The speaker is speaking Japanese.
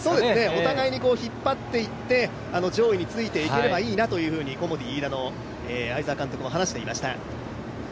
お互いに引っ張っていって、上位について行ければいいなというふうにコモディイイダの会沢監督も話していました。